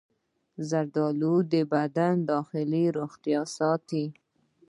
زردآلو د بدن داخلي روغتیا ساتي.